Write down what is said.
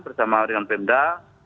bersama dengan pemda